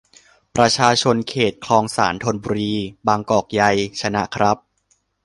ประชาชนเขต คลองสาน ธนบุรี บางกอกใหญ ชนะครับ